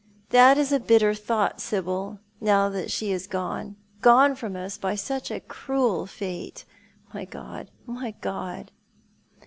That is a hitter thought, Sibyl, now she is gone — gone from us by such a cruel fate. My God, my God